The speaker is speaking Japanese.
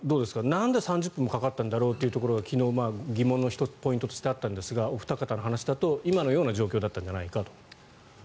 なんで３０分もかかったんだろうというのが昨日、疑問の１つのポイントとしてあったんですがお二方の話だと今のような状況だったんじゃないかと。